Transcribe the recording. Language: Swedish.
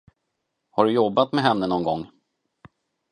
Har du jobbat med henne någon gång?